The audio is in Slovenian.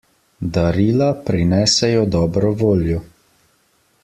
Darila prinesejo dobro voljo.